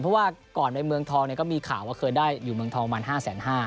เพราะว่าก่อนในเมืองทองก็มีข่าวว่าเคยได้อยู่เมืองทองประมาณ๕๕๐๐